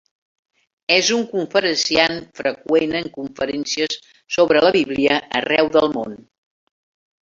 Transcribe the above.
És un conferenciant freqüent en conferències sobre la Bíblia arreu del món.